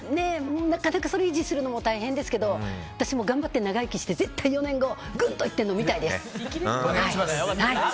それを維持するのは大変ですけど私も頑張って長生きして絶対４年後グンといってるの見たいです！